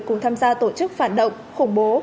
cùng tham gia tổ chức phản động khủng bố